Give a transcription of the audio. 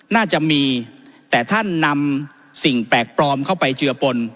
น่าจะมีแต่ท่านนำสิ่งแปลกปลอมเข้าไปเจือปน